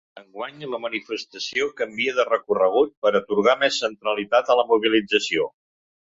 Enguany, la manifestació canvia de recorregut per atorgar més centralitat a la mobilització.